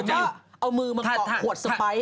ส่วนถึงเราก็เอามือมันเกาะขัวดสะใบ